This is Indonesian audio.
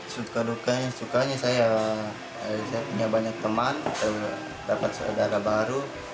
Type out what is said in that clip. sukar sukarnya saya punya banyak teman dapat saudara baru